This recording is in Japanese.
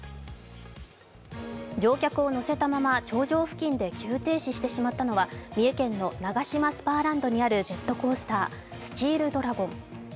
乗客を乗せたまま頂上付近で急停止してしまったのは三重県のナガシマスパーランドにあるジェットコースター、スチールドラゴン。